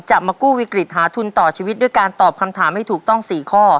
มากู้วิกฤตหาทุนต่อชีวิตด้วยการตอบคำถามให้ถูกต้อง๔ข้อ